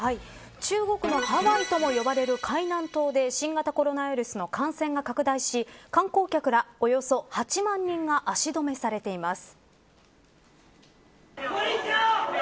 中国のハワイとも呼ばれる海南島で新型コロナウイルスの感染拡大し観光客ら、およそ８万人が足止めされています。